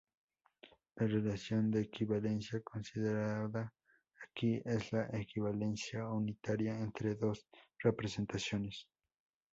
La relación de equivalencia considerada aquí, es la equivalencia unitaria entre dos representaciones.